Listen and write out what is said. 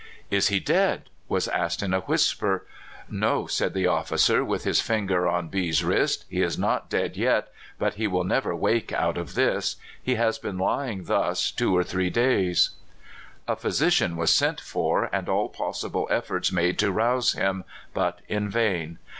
" Is he dead? " was asked in a whisper. " No," said the officer, with his finger on B 's wrist; "he is not dead yet, but he will never wake out of this. He has been lyinfj thus two or three ays. 330 CALIFORNIA SKETCHES. A physician was sent for, and all possible efforts made to rouse him, but in vain.